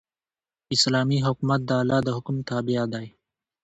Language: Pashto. اسلامي حکومت د الله د حکم تابع دی.